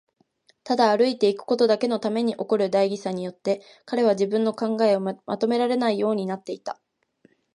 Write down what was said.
ただ歩いていくことだけのために起こる大儀さによって、彼は自分の考えをまとめられないようになっていた。